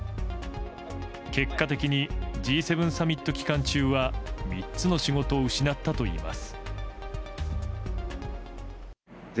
結果的に、Ｇ７サミット期間中は３つの仕事を失ったといいます。